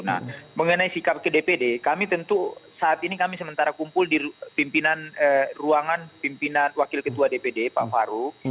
nah mengenai sikap ke dpd kami tentu saat ini kami sementara kumpul di pimpinan ruangan pimpinan wakil ketua dpd pak faru